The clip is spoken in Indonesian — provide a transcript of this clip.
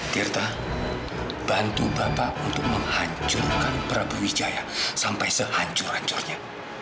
tirta bantu bapak untuk menghancurkan prabu wijaya sampai sehancur hancurnya